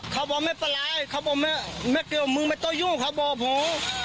เขาบอกไม่ฝันมึงไม่ต้องโย่งเขาบอกผม